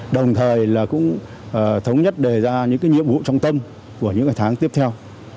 đồng thời là cũng thống nhất đề ra những nhiệm vụ trọng tâm của những tháng tiếp theo